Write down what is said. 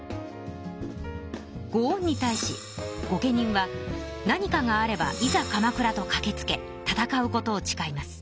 ご恩に対し御家人は何かがあれば「いざ鎌倉」とかけつけ戦うことをちかいます。